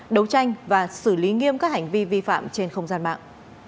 đấu tranh và xử lý nghiêm các hành vi vi phạm trên không gian mạng